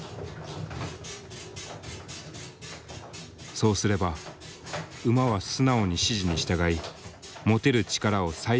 そうすれば馬は素直に指示に従い持てる力を最大限発揮する。